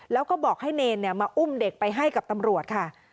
แล้วก็บอกให้เนรมาอุ้มเด็กไปให้กับตำรวจค่ะ